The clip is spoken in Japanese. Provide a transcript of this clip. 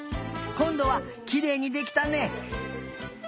こんどはきれいにできたね。